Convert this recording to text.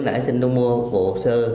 tôi mua một bộ hộp sơ